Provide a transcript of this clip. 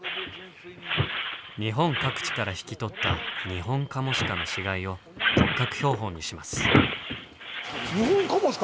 日本各地から引き取ったニホンカモシカの死骸を骨格標本にします。